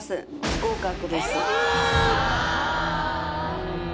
不合格です